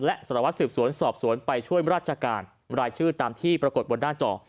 และสารวัตรสืบสวนสอบสวนไปช่วยราชการรายชื่อตามที่ปรากฏบนหน้าจอ